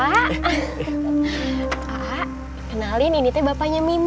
pak kenalin ini teh bapaknya mimin